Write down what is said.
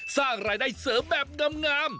สร้างรายได้เสริมแบบงาม